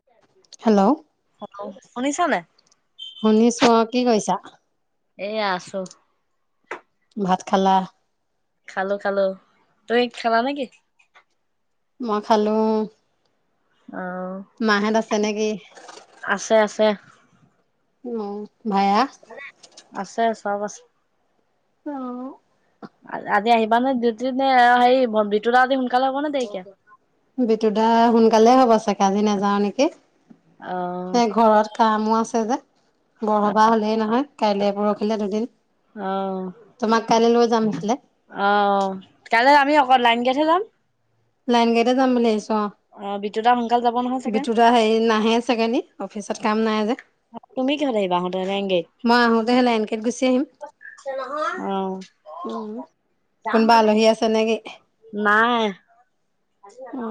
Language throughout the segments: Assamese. [inaudible] হেল্ল'। অ', শুনিছা নাই। শুনিছোঁ অ', কি কৈছা? এয়া আছোঁ। ভাত খালা। খালোঁ খালোঁ তুমি খাবা নেকি। মই খালোঁ। অ'। মাহেঁত আছে নেকি। আছে, আছে। উম ভায়া আছে চব আছে। অ'। আজি আহিবা নে ডিউটিত নে হে বি [unintelligible] লা আ সোনকালে হ'ব নে দেৰিকে। বিতু দা সোনকালে হ'ব চাগে আজি নাযাওঁ নেকি অ এ ঘৰত। কামো আছে যে বৰসবাহ হ'লেই নহয় কাইলে পৰহিলে দুদিন অ তোমাক কালি লৈ যাম ইফালে অ', কাইলৈ আমি অকল লাইনকেহে যাম লাইন গাড়ীতে যাম বুলি আহিছোঁ অ', বিতু দা সোনকালে যাব নহয় চাগে বিতুদা নাহে চাগে অফিচত কাম নাই যে তুমি কিহত আহিবা আহোতে লাইন গাড়ীত? মই আহোতে হে লাইনকেইত গুচি আহিম। উম। উম কোনোবা আলহী আছে নেকি। নাই। উ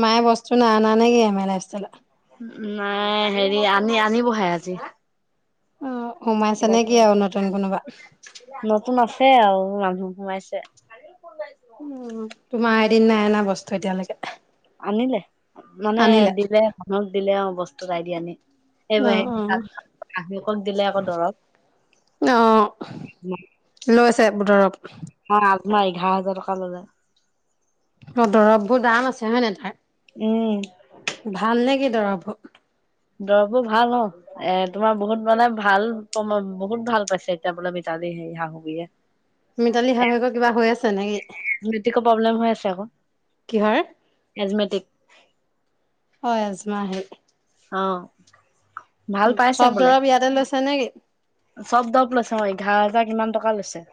মায়ে বস্তু ন অনা নে কি আমাৰ লাইফ ষ্টাইলত নাই হেৰি আনি আনিবহে আজি অ', সোমাইছ কিবা নে কিবি কি আৰু নতুন কোনোবা নতুন আছে আৰু মানুহ সোমাইছে। উ তোমাৰ এদিন নাই এ নাই বস্তু এতিয়ালৈকে আনিলে মানে আনিলে দিলে মানুহক দিলে অ', বস্ত আইদিয়া আনি অ অ এইবাক আক দিলে আকৌ দৰৱ। আহ লৈ আছে বোটৰক। অ', আজমাৰ এঘাৰ হাজাৰ টকা ল'লে। অ', দৰৱ বোৰ দাম আছে হয় নহয়। উম। ভাল নে কি দৰভু দভো ভাল অ এ তোমাৰ বহুত মানে ভাল ব ম বহুত ভাল পাইছে এতিয়া বোলে মিতালী হেৰি হিহা হুহীয়ে মিতালী এ এ এ শাহুৱেকৰ কিবা হৈ আছে নেকি নেটৱৰ্ক প্ৰব্লেম হৈ আছে আক কিহৰ কেজমেটিক হয় আজমাহে অ ভাল উ পাইছে চব বোলে দৰৱ ইয়াতে লৈছে নে কি চব দব লৈছো অ এঘাৰ হেজাৰ কিমান টকা লৈছে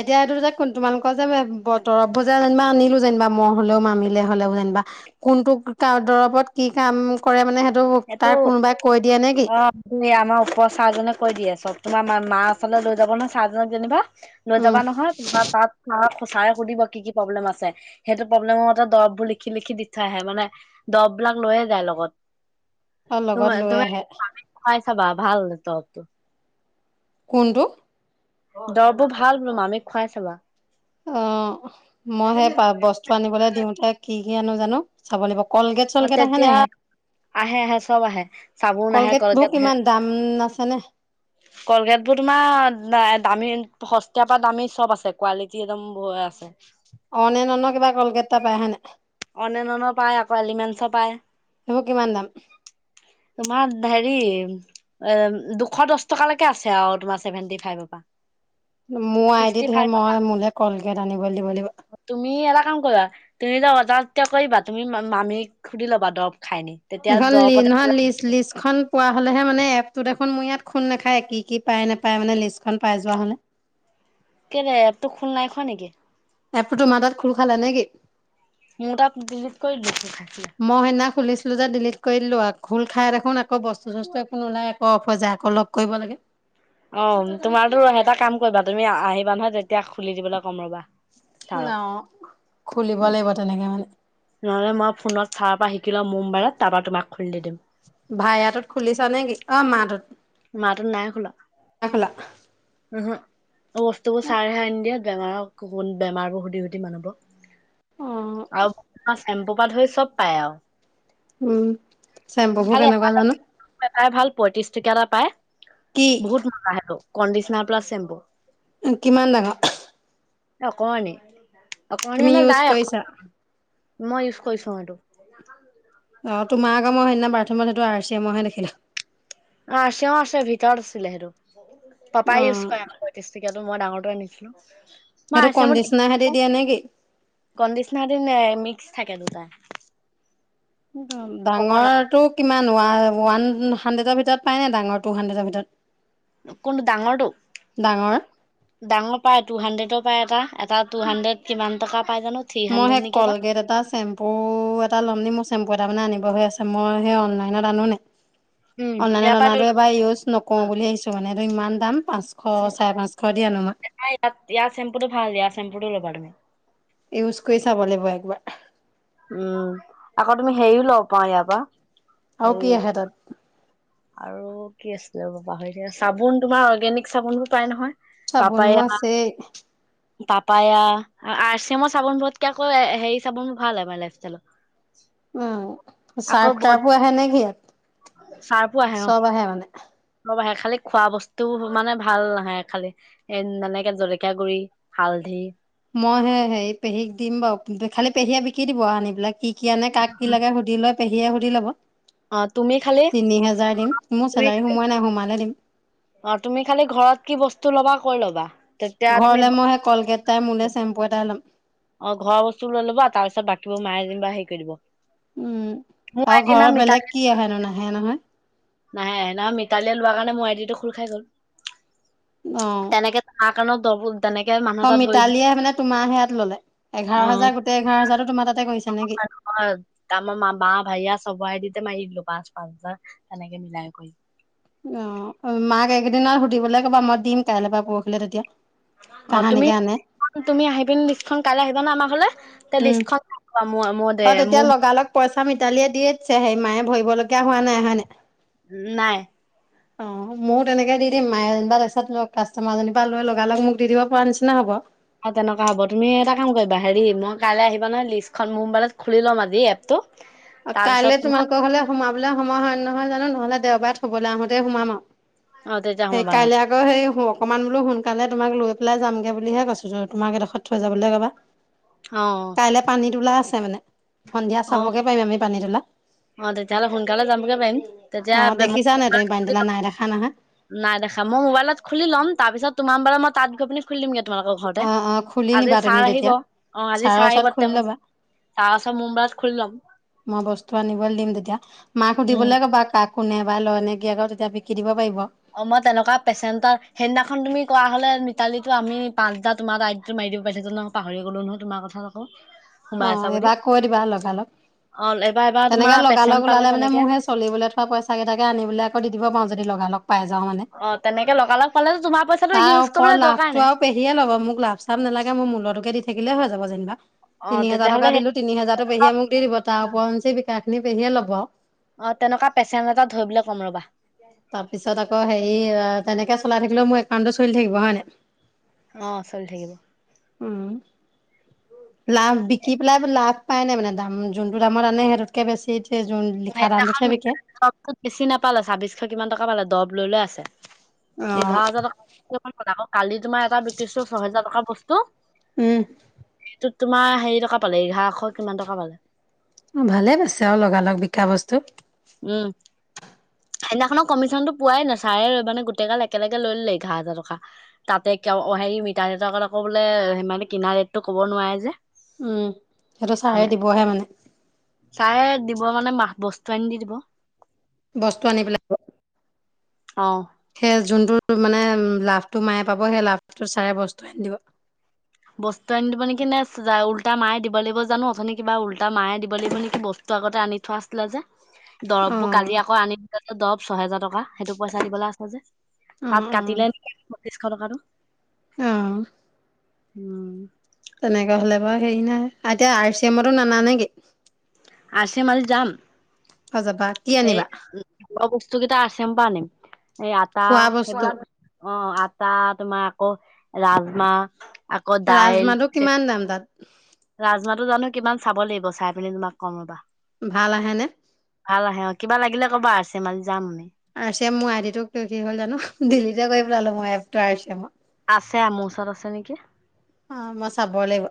এতিয়া এইটো যে কোন তোমালোকৰ যে ব দৰববো যে যেনিবা আনিলো যেনিবা মই হলেও মামিলে হলেও যেনিবা কোনটো কাৰ দৰবত কি কাম কৰে মানে সেইটো তাৰ কোনোবাই কৈ দিয়ে নে কি এ আমাৰ ওপৰ চাৰজনে কৈ দিয়ে চব তোমাৰ মা মা ওচলে লৈ যাব নহয় চাৰ্জনক যেনিবা লৈ উম যাবা নহয় কোনোবা তাত অ আক চাৰে সুধিব কি কি প্ৰব্লেম আছে সেইটো প্ৰব্লেমতে দৰববোৰ লিখি লিখি দি থই আহে মানে দববিলাক লৈয়ে যায় লগত। অ লগত লৈ আহে। খাই চাবা ভাল দবতো। কোনটো দৰববোৰ ভাল বলো মামীক খুৱাই চাবা অ মই সেই পা বস্তু আনিবলৈ দিওঁতে কি কি আনো জানো চাব লাগিব কলগেট অ চলগেট আহে তেতিয়া নাই হেয়াত? আহে আহে চব আহে চাবোন আহে কলগেট বো আহে কিমান দাম আছেনে? কলগেট বোৰ তোমা দা দামী সস্তীয়া পা দামী চব আছে কোৱালিটি একদম আছে। অনে নন কিবা কলগেট টা পাই হয় নাই? অনে নন পায় আকৌ এলিমেন্স পায়। সেইবোৰ কিমান দাম তোমাত ঢেৰি এ দুশ দছ টকালৈকে আছে আউ তোমাৰ চছেভেন্টি ফাইভৰ পা মোৰ আইডিতহে মই মোলে কলগেট আনিব দিব লাগিব। তুমি এটা কাম কৰিবা তুমি যে বজা কৰিবা তুমি মামীক সুধি ল'বা দৰৱ খাই নি? তেতিয়া নিহনলি নহয় দৰৱতে লিছলিছ খন পোৱা হ'লেহে মানে এপতো দেখোন মোৰ ইয়াত খুন নেখায় কি কি পায় নেপায় মানে লিষ্টখন পাই যোৱা হ'লে কে এপটো খোল নাই খোৱা নেকি? এপটো তোমাৰ তাত খোল খালে নে কি? মোৰ তাত ডিলিট কৰি লিখি থাকিলে। মই সেইনা খুলিছিলোঁ যে ডিলিট কৰি দিলোঁ আউ খোল খাই দেখোন আকৌ বস্তু চস্তু একো নুলাই অফ হৈ যায় আকৌ লগ কৰিব লাগে অ তোমাৰতো এটা কাম কৰিবা তুমি আ আহিবা নহয় তেতিয়া খুলি দিবলৈ কম ৰ'বা। ন ছাৰক। খুলিব লাগিব তেনেকে মানে নহ'লে মই ফোনত চাৰ পৰা শিকি লম মো মবাইলত তাৰ পৰা তোমাক খুলি দিম। ভাইয়া টোত খুলিছা নে কি অ মাহ টোত মাটোত নাই খোলা উহু বস্তুবোৰ চাৰে হে আনি দিয়ে বেমাৰক কোন বেমাৰবোৰ সুধি সুধি মানুহবো অক অ আউ চেম্পু পা ধৰি চব পাই আউ উম চেম্পুবোৰ খালি কেনেকুৱা এটা জানো। এটাই ভাল পঁয়ত্ৰিশ টকিয়া এটা পায়, কি বহুত মজা সেইটো কণ্ডিচনাৰ প্লাছ চেম্পু। কিমান ডাঙৰ? এ অকমানি অকমানি তুমি মানে ইউজ যায় আকৌ। কৰিছা মই ইউজ কৰিছোঁ সেইটো। অ তোমাৰ আকৌ মই সেইদিনা বাথৰুমত সেইটো আৰ চিমহে দেখিলোঁ। অ আৰ চিমৰও আছে ভিতৰত আছিলে সেইটো অ পাপাই ইউজ কৰে। [inaudible] তেকাত মই ডাঙৰ নিছিলো সেইটো মই আ কণ্ডিচনাৰ সেতি ম দিয়ে নে কি কণ্ডিচনাৰ দি মিক্স থাকে দুটা। ককনাট ডাঙৰটো কিমান ৱ ওৱান হাড্ৰেডৰ ভিতৰত পাই নাই ডাঙৰ টু হাণ্ড্ৰেডৰ ভিতৰত। কোনটো ডাঙৰটো? ডাঙৰ ডাঙৰ পায় টু হাড্ৰেডৰ পায় এটা এটা টু হাণ্ড্ৰেড কিমান টকা পাই জানো? থ্ৰী মই হাণ্ড্ৰেড সেই নেকি কলগেট এটা চেম অ এটা চেম্পু এটা ল'ম নি মোৰ চেম্পু এটা মানে আনিব হৈ আছে মই সেই অনলাইনত আনো নাই উম অনলান ইয়াৰ পৰা লৈ আনাটো এবাৰ ইউজ নকওঁ ল'বা নাই বুলি আহিছো মানে এইটো ইমান দাম পাঁচশ চাৰে পাঁচশ দি আনো মই মই ইয়াৰ চেম্পুটো ভাল ইয় চম্পুটো ল'বা তমি। ইউজ কৰি চাব লাগিব একবাৰ। উম আকৌ তুমি হেৰিও লব পাৰা ইয়াৰ পৰা। আৰু হেৰি কি আহে তাত। আৰু কি আছিলে ৰবা পাহৰিলো চাবোন তোমাৰ অৰ্গেনিক চাবোনো পাই নহয়। তাৰ চাবোন পাই মোৰ আমাক আছেই তাৰ পাই এয়া আৰ চিমৰ চাবোন বোৰতকে আকৌ হেৰি চাবোন বোৰ ভাল আমাৰ ল উম আকৌ চাৰ্ফ ব তাৰ্ফো আহে নে কি ইয়াত চা আহে অ চব আহে মানে ব আহে খালি খোৱা বস্তু মানে ভাল নাহে খালি। এ এনেকে জলকীয়া গুৰি হালধি মই সে হেৰি পেহীক দিম বাৰু খালি পেহীয়ে বিকি দিব আনি পেলাই কি কি আনে কাক কি লাগে সো সুধি লৈ পেহীয়ে সুধি ল'ব অ তুমি খালি তিনি হেজাৰ দিম, মোৰ চেলাৰী সোমাই নাই সোমালে দিম। অ তুমি খালি ঘৰত কি বস্তু ল'বা কৈ ল'বা। তেতিয়া তুমি ঘৰলে মই সেই কলগেট এটাই মোলে চেম্পু এটাই ল'ম। অ ঘৰৰ বস্তু লৈ ল'ব আৰু তাৰ পিছত বাকীবোৰ মায়ে যেনিবা সেই কৰি দিব। উম মোৰ আৰু আইটি নাম ঘৰৰ মিতালী বেলেগ কি আহেনো নাহে নহয়। নাহে নহয় মিতালীয়ে লোৱা কাৰণে মই আই ডি টো খুল খাই গ'ল অ তেনেকে আকানত দবল তেনেকে মা অ মিতালীয়ে মানে তোমাৰ সেয়াত ল'লে, অ এঘাৰ হাজাৰ গোটেই এঘাৰ হাজাৰটো তোমাৰ তাতে গৈছে নেকি? অ আমাৰ মামা ভাইয়া আমাৰ চবৰে আই ডি তে মাৰি দিলোঁ পাঁচ পাঁচ হাজাৰ তেনেকে মিলাই কৰি। অ মাক এইকেইদিনৰ সুধিবলৈ ক'বা মই দিম কাইলৈ বা পৰহিলে তেতিয়া। অ তুমি কাহানিকে আনে তুমি আহি পিনে লিষ্টখন কাইলে আহিবা না আমাৰ ঘৰলে। উম লিষ্টখন ম অ দে তেতিয়া মোৰ লগালগ পইচা মিতালীয়ে দিয়ে দিছে সেই মায়ে ভৰিবলগীয়া হোৱা নাই হয় নাই। নাই। উ [inaudible] অ মইয়ো তেনেকে দি দিম মায়ে যেনিবা তাৰপিছত কাষ্টমাৰ জনিৰ পৰা লৈ লগা লগ মোক দি দিব পৰা নিচিনা হ'ব। অ তেনেকুৱা হ'ব তুমি এটা কাম কৰিবা হেৰি মই কাইলে আহিবা নহয় লিষ্টখন মোৰ মোবাইলত খুলি ল'ম আজি এ প আৰু কাইলৈ তোমালোকৰ ঘৰলে। সোমাবলৈ সময় হয় নহয় জানো নহলে দেওবাৰে থবলৈ আহোতেই সোমাম অ তেতিয়া আৰু সেই সোমাবা নহ'লে। কাইলে আকৌ। আকৌ সেই অকণমান বোলো সোনকালে তোমাক লৈ পেলাই যামগৈ বুলিহে কৈছো তোমাক এডোখৰ থৈ যাবলৈ ক'বা। [inaudible] অ। পানীত ওলাই আছে মানে সন্ধিয়া অ চাবগে। পাৰিম আমি পানী তোলা অ তেতিয়াহ'লে সোনকালে যামগে পাৰিম তেতিয়া। মোবাইলত খুলি পানীতোলা ল'ম নাই দেখা নহয়। নাই দেখা মই মোবাইলত খুলি ল'ম তাৰপিছত তোমাৰ মোবাইলত মই তাইপ কৰি পিনে। খুলি দিমগে তোমালোকৰ ঘৰতে অ অ খুলি আজি নিবা তুমি চাৰ আহিব তেতিয়া অ আজি ছাৰৰ চাৰ ওচৰত আহিব খুলি টাইমত। ল'বা তাৰ পাছত মোৰ মোবাইলত খুলি লম। মই বস্তু আনিবলৈ দিম তেতিয়া মাক উম সুধিবলৈ ক'বা কাক। কোনে বা লয় নে কি আকৌ তেতিয়া বিকি দিব পাৰিব। অ মই তেনেকুৱা পেচেণ্ট এটা সেইদিনাখন তুমি কোৱা হলে মিতালীটো আমি পাঁচহাজাৰ তোমাৰ আই দি টোত মাৰি দিব পাৰিলো হেতেন ন পাহৰি গ'লো নহয় তোমাৰ কথা আকৌ সোমাই অ আছা বুলি এইবাৰ কৈ দিবা লগালগ অ এবাৰ এবাৰ তেনেকে তোমাৰ পেচেণ্ট লগালগ পালে ওলালে মানে তেনেকে মোৰহে। চলিবলৈ থোৱা পইচা কেইটাকে আনিবলৈ আকৌ দি দিব পাৰো যদি লগা লগ পাই যাওঁ মানে। অ তেনেকে লগা লগ পালেটো তোমাৰ পইচাটো তাৰ ইউজ ওপৰত কৰিবলৈ দৰকাৰ লাভটো নাই। আৰু পেহীয়ে ল'ব মোক লাভ চাভ নালাগে মোৰ মূলটোকে দি থাকিলে হৈ যাব যেনিবা অ তিনি হেজাৰ টকা তেতিয়াহ'লে দিলো। সেই তিনি হাজাৰটো পেহীয়ে মোক দিব তাৰ ওপৰঞ্চি বিকাখিনি পেহীয়ে ল'ব আৰু। অ তেনেকুৱা পেচেণ্ট এটা ধৰিবলে কম ৰ'বা। তাৰ পিছত আকৌ হেৰি তেনেকে চলাই থাকিলেও মোৰ একাউণ্টটো চলি থাকিব হয় নাই। অ চলি থাকিব। উম। লাভ বিকি পেলাই লাভ পাই নাই মানে দাম যোনটো দামত আনে সেইটোতকে বেছি। যে যোন লিখা দামটোত হে সেইদিনাখন বিকে। দৰবটোত বেছি নাপালে ছাব্বিশশ কিমান টকা পালে দৰব ললে আছে অ এঘাৰ হাজাৰ টকা। ব কালি তোমাৰ এটা বিক্ৰীছো ছহেজাৰ টকাৰ বস্তু। উম। এইটোত তোমাৰ হেৰি টকা পালে এঘাৰশ কিমান টকা পালে। অ ভালে পাইছে আৰু লগালগ বিকা বস্তু। উম। সেইদিনাখননৰ কমিশনো টো পোৱাই নাই চাৰে লৈ মানে গোটেই গাল একেলগে লৈ ললে এঘাৰ হাজাৰ টকা। তাতে ক হেৰি মিতা দেউতাক আকৌ বোলে সানে কিনা ৰেটটো ক'ব নোৱাৰে যে। উম সেইটো ছাৰে দিবহে মানে। চাৰে দিব মানে মাহ বস্তু আনি দি দিব। বস্তু আনি পেলাই। অ। সেই যোনটো মানে লাভটো মায়ে পাব সেই লাভটো চাৰে বস্তু আনি দিব। বস্তু আনি দিব নেকি নে উল্টা মায় দিব লাগিবানো অথনি কিবা উল্টা মায়ে দিব লাগিব নেকি বস্তু। তো আগতে আনি থোৱা আছিলে যে। [inaudible] দৰবোৰ অ', কালি আকৌ আনি দিলে যে দৰৱ ছহেজাৰ টকা সেইটো পইচা দিবলৈ আছে যে। অ', তাত অ', কাটিলে নেকি পত্ৰিশশ টকা টো। অ। উম। তেনেককাে হ'লে বাৰু হেৰি নাই এতিয়া আৰ চি এমতো নানা নেকি? আছে মাল যাম অ' যাবা কি এই আনিবা? বস্তু কেইটা আ চি এমৰ পৰা আনিম এই আটা খোৱা বস্তু সেইবিলাক অ আটা তোমাৰ আকৌ ৰাজমাহ, আকৌ ৰাজমাহটো কিমান দাম তাত? ৰাজমাটো জানো কিমান চাব লাগিব চাই পিনি তোমাক কম ৰ'বা। ভাল আহেনে? ভাল আহে অ, কিবা লাগিলে ক'বা আছে মাল যাম। আৰ চি এম মোৰ আই ডি টো কি হ'ল জানো। ডিলিটে কৰি পেলালো মই এপটো আৰ চি এমৰ। আছে মোৰ ওচৰত আছে নেকি? অ মই চাব লাগিব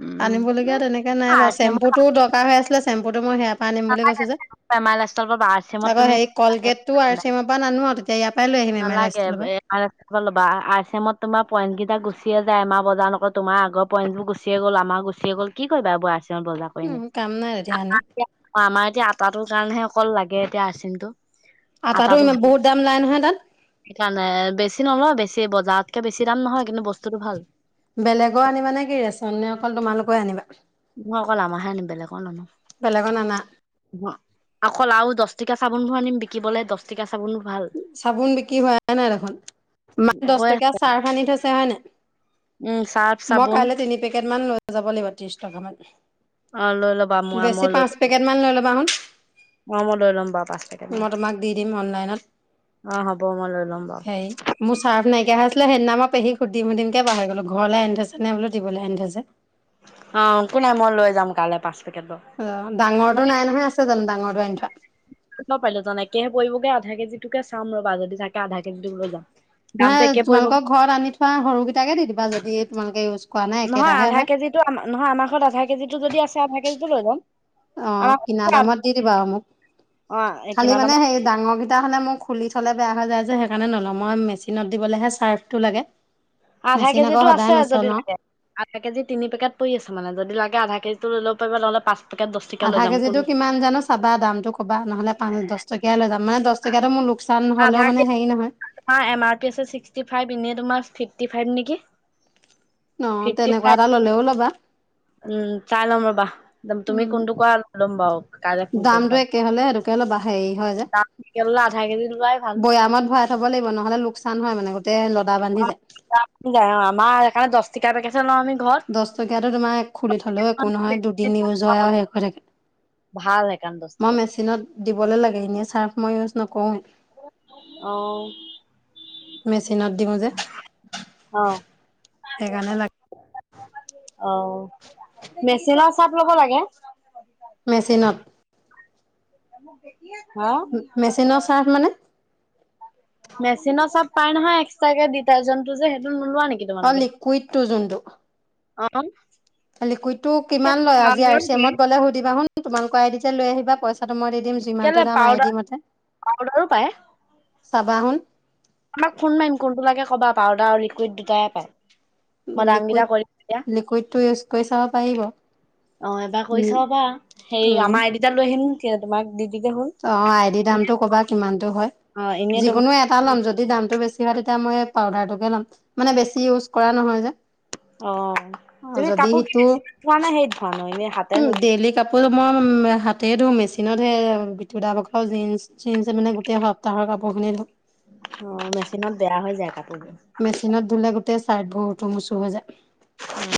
উম আনিবলগীয়া তেনেকে নাই আৰ বাৰু চি এমত চেম্পুটোও দৰকাৰ হৈ আছিলে চেম্পু টো মই সেয়াৰ পৰা আনিম বুলি নালাগে, কৈছো যে, এম আই লাইফষ্টাইলৰ পৰা আৰ চি এমত আকৌ তুমি হেৰি কলগেটটো আৰ চিমাৰ পৰা নানো আৰু [unintelligible] নালাগে ষ্টিলৰ পৰা। লবা। আৰ চি এমত তোমাৰ পইণ্ট কেইটা গুচিয়ে যায় এ মাহ বজাৰ নক তোমাৰ আগত পঞজবোৰ গুচিয়ে গ'ল আমাৰ গুচিয়ে গ'ল কি কৰিবা এইবোৰ আৰ চি এমত বজাৰ কৰি উম, নি কাম নাই তেতিয়া আনি। অ আমাৰ এতিয়া আটাটোৰ কাৰণেহে অকল লাগে এতিয়া আৰ চি এমটো। আটাটো ইমান বহুত দাম নাই নহয় তাত। সেইকাৰণে বেছি নলয় বেছি বজাৰতকে বেছি দাম নহয় কিন্তু বস্তুতটো ভাল। বেলেগৰ আনিবা নেকি ৰেচ নে অকল তোমালোকে আনিবা? মই অকল আমাৰহে আনিম বেলেগৰ নানো। বেলেগৰ নানা। অ অকল আউ দচ টকাকিয়া চাবোনবোৰ আনিম বিকিবলে দচ ঠিকা চাবনবোৰ ভাল চাবোন বিক্ৰী হোৱাইে নাই দেখোন, মাই হৈ দহ আছে টকীয়া চাৰ্ফ আনি থৈছে হয় নাই। উম চাৰ্ফ মই চাবোন কাইলৈ তিনি পেকেট মান লৈ যাব লাগিব ত্ৰিশ টকামান। অ লৈ ল'বা মই মই বেছি লৈ পাঁচ পেকেট মান লৈ ল'বা হোন। অ মই লৈ ল'ম বাৰু পাঁচ পে মই তোমাক দি দিম অনলাইনত অ হ'ব মই লৈ ল'ম বাৰু হেৰি মোৰ চাৰ্ফ নাইকিয়া হৈছিলে সেইদিনা মই পেহীক সুধিম সুধিম কে পাহৰি গ'লো, ঘৰলৈ আনি থৈ নে বোলো দিবলৈ আনি থৈছে। অ একো নাই মই লৈ যাম কালিলৈ পাঁচ পেকেট বাৰু। অ ডাঙৰটো নাই নহয় আছে জানো ডাঙৰটো আনি থোৱা? পাৰিলো জান একেহে পৰি কৰিবগে আধা কেজিটোকে চাম ৰবা যদি থাকে আধা কেজিটো লৈ যাম নহয় দামতটো একে পৰিব। তোমালোকৰ ঘৰত আনি থোৱা সৰুকেইটাকে দি দিবা যদি তোমালোকে ইউ নহয় আধা কেজিটো নহয় আমাৰ ঘৰত আধা কেজিটো যদি আছে আধা কেজিটো লৈ যাম। অ কিনা দামত দি দিবা মোক, অ খালি কিনা দাম মানে সেই ডাঙৰকেইটা হ'লে মোক খুলি থ'লে বেয়া হৈ যায় যে সেইকাৰণে নলওঁ। মই মেচিনত দিবলৈহে চাৰ্ফটো লাগে। আধা মেচিন আকৌ কেজিটো সদায় আছে যদি নচলাও লাগে। আধা কেজি তিনি পেকেট পৰি মানে যদি লাগে আধা কেজিটো লৈ ল'ব পাৰিবা নহ'লে পাঁচ পেকেট দহ টকীয়া লৈ আধা যাম কোন কেজিটো কিমান জানো চাবা দামটো ক'বা। নহ'লে পান দহ টকীয়াই লৈ যাম মানে দহ টকীয়াটো মোৰ লোকচান হ'লেও মানে হেৰি নহয়। আমাৰ এম আৰ পি আছে ছিক্সটি ফাইভ এনেই তোমাৰ ফিফটি ফাইভ নেকি। অ ফিফটি তেনেকুৱা ফাইভ এটা নেকি ল'লেও ল'বা। উম, চাই ল'ম ৰ'বা, তুমি উম কোনটো কোৱা ল'ম বাৰু। কাইলৈ ফোন কৰি দামটো দিবা একে হ'লে এনেককে অলপ হেৰি হয় যে, দাম পেকেটলৈ আধা কেজি লোৱাই ভাল। বৈয়ামত ভৰাই থ'ব লাগিব নহ'লে লোকচান হয় মানে গোটেই লদা বান্ধি যায়। [unintelligible] অ' আমাৰ সেইকাৰণে দহ [unintelligible] আমি ঘৰত। দহ টকীয়াতো তোমাৰ খুলি থলেও একো নহয় দুদিন ইউজ হয় আৰু শেষ হৈ থাকে। ভাল সেইকাৰণ দহ মই টিকাটো। মেচিনত দিবলৈ লাগে এনেই চাৰ্ফ মই ইউজ নকৰোঁৱে। অ'। মেচিনত দিওঁ যে, অ সেইকাৰণে লাগে। অ' মেচিনৰ চাৰ্ফ ল'ব লাগে। মেচিনত। [unintelligible] ম মেচিনৰ চাৰ্ফ মানে। মেচিনত চাৰ্ফ পাই নহয় এক্সট্ৰাকে ডিটাৰ্জেন্টো যে সেইটো নোলোৱা নেকি। অ' তোমালোকে? লিকুইডটো যোনটো। অ'। লিকুইডটো কিমান লয় আজি আৰ পাউদাৰো চি পাই। এমত গ'লে সুধিবা হুন তোমালোকৰ আই দি লৈ আহিবা পইচা পইচা মই দি দিম কেলে যিমানটো দাম আই দি পাউদাৰ মতে, পাউদাৰো পায়। চাবা চোন। আমাক ফোন মাৰিম কোনটো লাগে ক'বা পাউদাৰ, আৰু লিকুইড, দুটাইে পায়। মই দামকেইটা লিকুইড, কৈ দিম তেতিয়া। লিকুইডটো ইউজ কৰি চাব পাৰি বাৰু। অ' এবাৰ কৰি চাব পাৰা, হেৰি উম আমাৰ এইদুটা লৈ আহিম তোমাক ডিউটিকে হ'ল। অ', আইডি এনে দামতটো ক'বা কিমানতো হয়, অ এনে যিকোনো তোমাৰ এটা ল'ম যদি দামটো বেছি হয় তেতিয়া মই পাউদাৰটোকে ল'ম মানে বেছি ইউজ কৰা নহয় যে। অ' অ', তুমি যদি কাপোৰ সিটো কিনি চিমান ধোৱা নে সেই ধোৱা নে সেই এনেই হাতেৰে [unintelligible] আকৌ মই হাতে ধুম মেচিনতহে [unintelligible] জীনছ চিনছ মানে গোটেই সপ্তাহৰ কাপোৰ খিনি ধুম। অ' মেচিনত বেয়া হৈ যায় কাপোৰবোৰ। মেচিনত ধুলে গোটেই চাৰ্টবোৰ উটো মোচু হৈ যায়। [unintelligible]